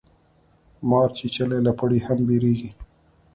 مار چیچلی له پړي هم بېريږي.